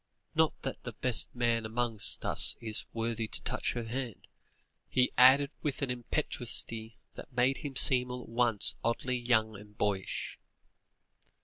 Not that the best man among us is worthy to touch her hand," he added, with an impetuosity that made him seem all at once oddly young and boyish.